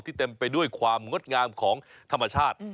เต็มไปด้วยความงดงามของธรรมชาติ